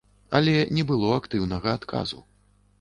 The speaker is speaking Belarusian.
Але не было актыўнага адказу.